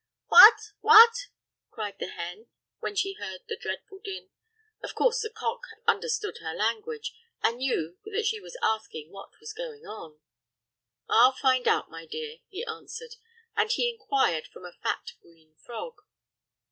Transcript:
"Wat! wat!" cried the hen, when she heard the dreadful din. Of course the cock understood her language, and knew that she was asking what was going on. "I'll find out, my dear," he answered, and he inquired from a fat, green frog.